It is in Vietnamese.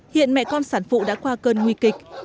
hiện mẹ con sản phụ đã qua cơn nguy kịch